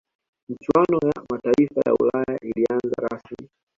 michuano ya mataifa ya ulaya ilianza rasmi